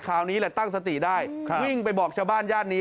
คราวนี้แหละตั้งสติได้วิ่งไปบอกชาวบ้านย่านนี้